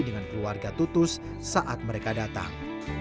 dengan keluarga tutus saat mereka datang